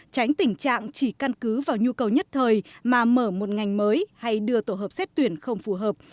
tránh tình trạng chỉ căn cứ vào nhu cầu nhất thời mà mở một ngành mới hay đưa tổ hợp xét tuyển không phù hợp